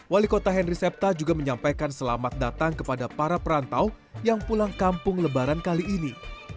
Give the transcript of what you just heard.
wali kota henry septa juga menyampaikan selamat datang kepada para perantau yang pulang kampung lebaran kali ini